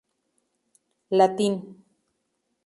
Paudel, Latin.